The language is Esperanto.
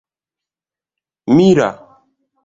mila